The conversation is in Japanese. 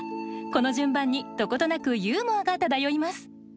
この順番にどことなくユーモアが漂います。